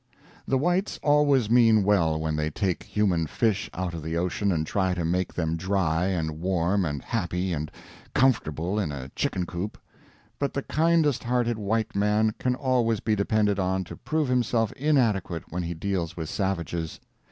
The Whites always mean well when they take human fish out of the ocean and try to make them dry and warm and happy and comfortable in a chicken coop; but the kindest hearted white man can always be depended on to prove himself inadequate when he deals with savages.